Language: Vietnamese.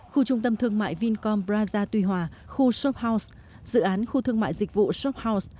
khu trung tâm thương mại vincom praza tuy hòa khu shop house dự án khu thương mại dịch vụ shop house